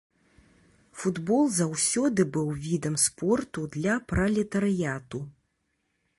Футбол заўсёды быў відам спорту для пралетарыяту.